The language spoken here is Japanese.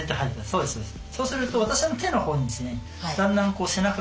そうですそうです。